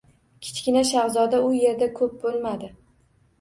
Kichkina shahzoda u yerda ko‘p bo‘lmadi